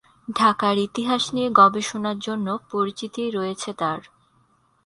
ঢাকার ইতিহাস নিয়ে গবেষণার জন্য পরিচিতি রয়েছে তার।